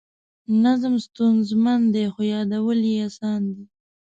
نظم ستونزمن دی خو یادول یې اسان دي.